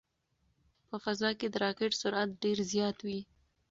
په فضا کې د راکټ سرعت ډېر زیات وي.